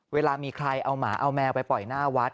เวลามีใครเอาหมาเอาแมวไปปล่อยหน้าวัด